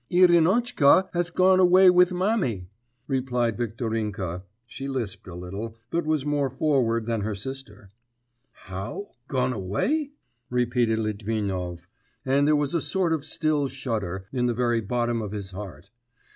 'Irinotchka has gone away with mammy,' replied Viktorinka; she lisped a little, but was more forward than her sister. 'How ... gone away?' repeated Litvinov, and there was a sort of still shudder in the very bottom of his heart.